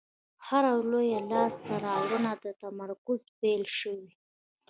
هره لویه لاستهراوړنه له تمرکز پیل شوې.